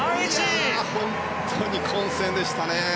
本当に混戦でしたね。